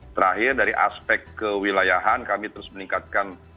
terakhir dari aspek kewilayahan kami terus meningkatkan